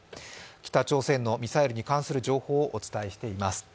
北朝鮮のミサイルに関する情報をお伝えしています。